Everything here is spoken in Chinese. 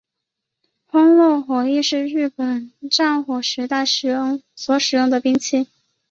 焙烙火矢是日本战国时代所使用兵器。